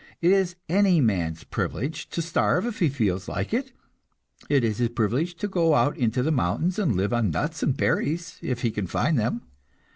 It is any man's privilege to starve if he feels like it; it is his privilege to go out into the mountains and live on nuts and berries if he can find them.